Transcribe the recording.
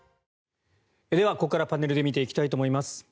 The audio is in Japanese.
ではここからパネルで見ていきたいと思います。